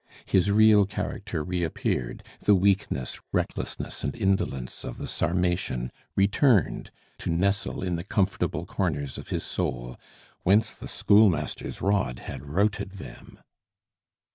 His real character reappeared, the weakness, recklessness, and indolence of the Sarmatian returned to nestle in the comfortable corners of his soul, whence the schoolmaster's rod had routed them.